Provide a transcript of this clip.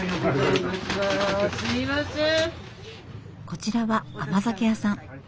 こちらは甘酒屋さん。